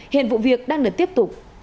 hiện vụ việc đang được tiếp tục